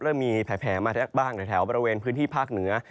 เริ่มมีแผลมาบ้างในแถวบริเวณพื้นที่ภาคเหนือ